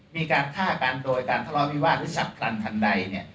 มีการฆ่ากันโดยการทะเลาะวิวาสหรือฉับพลันทันใด